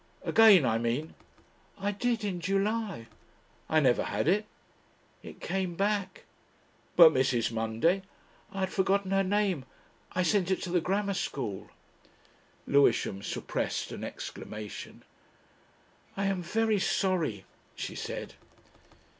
"Again, I mean." "I did in July." "I never had it." "It came back." "But Mrs. Munday ..." "I had forgotten her name. I sent it to the Grammar School." Lewisham suppressed an exclamation. "I am very sorry," she said.